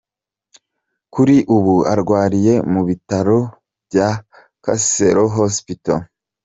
Kuri ubu arwariye mu bitaro bya Nakasero Hospital,.